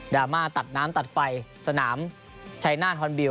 รามาตัดน้ำตัดไฟสนามชัยหน้าฮอนบิล